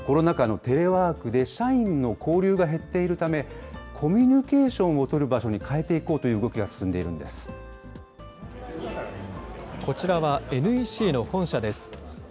コロナ禍のテレワークで、社員の交流が減っているため、コミュニケーションを取る場所に変えていこうという動きが進んでいるんでこちらはＮＥＣの本社です。